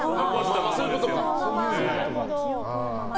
そういうことか。